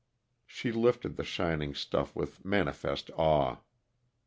She lifted the shining stuff with manifest awe.